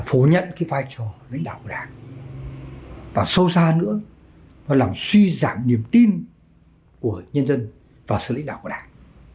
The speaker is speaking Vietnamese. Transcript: phủ nhận cái vai trò lãnh đạo của đảng và sâu xa nữa nó làm suy giảm niềm tin của nhân dân và sự lãnh đạo của đảng